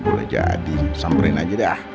boleh jadi disamberin aja deh